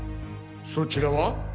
そちらは？